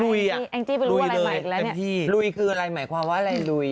รุยคืออะไรหมายความว่าอะไรรุย